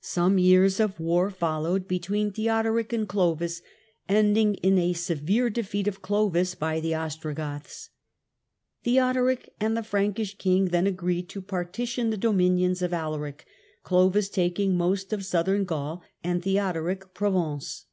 Some ars of war followed between Theodoric and Clovis, iding in a severe defeat of Clovis by the Ostrogoths, heodoric and the Frankish king then agreed to parti al the dominions of Alaric, Clovis taking most of mthern Gaul and Theodoric Provence.